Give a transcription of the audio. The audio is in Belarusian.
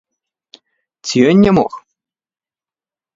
Ці ён не мог?